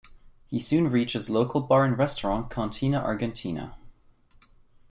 He soon reaches local bar and restaurant "Cantina Argentina".